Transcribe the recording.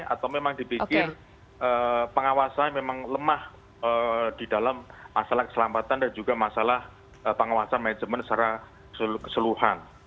atau memang dipikir pengawasan memang lemah di dalam masalah keselamatan dan juga masalah pengawasan manajemen secara keseluruhan